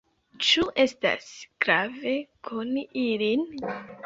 Ĉu estas grave koni ilin?